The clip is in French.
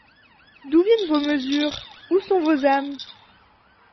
D’où viennent vos mesures? Où sont vos âmes ?